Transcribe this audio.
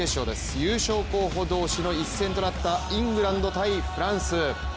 優勝候補同士の一戦となったイングランド×フランス。